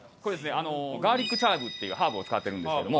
あのガーリックチャイブというハーブを使ってるんですけども。